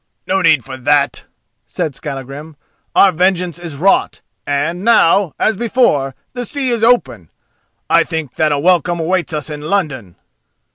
"No need for that," said Skallagrim. "Our vengeance is wrought, and now, as before, the sea is open, and I think that a welcome awaits us in London."